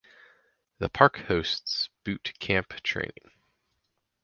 The park hosts boot camp training.